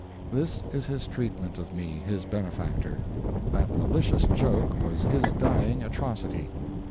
This is his treatment of me, his benefactor. That malicious joke was his dying atrocity.